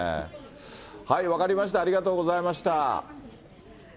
分かりました、ありがとうございました。